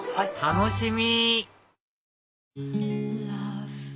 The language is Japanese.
楽しみ！